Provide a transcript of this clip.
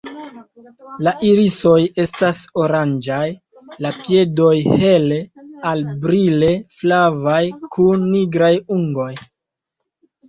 La irisoj estas oranĝaj, la piedoj hele al brile flavaj kun nigraj ungoj.